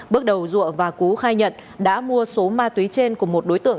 bước đầu dụa và cú khai nhận đã mua số ma túy trên của một đối tượng